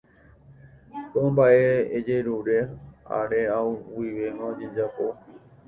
Ko mbaʼejerure are guivéma ojejapo.